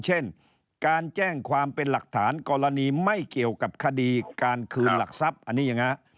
เช่นการแจ้งความเป็นหลักฐานกรณีไม่เกี่ยวกับคดีการคืนหลักทรัพย์อันนี้อย่างนั้น